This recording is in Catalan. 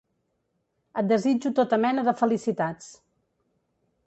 Et desitjo tota mena de felicitats.